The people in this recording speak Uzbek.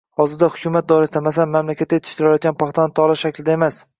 Hozirda hukumat doirasida, masalan, mamlakatda yetishtirilayotgan paxtani tola shaklida emas